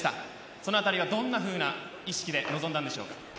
その辺りはどんなふうな意識で臨んだんでしょうか？